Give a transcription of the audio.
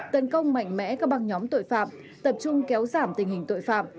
tấn công mạnh mẽ các băng nhóm tội phạm tập trung kéo giảm tình hình tội phạm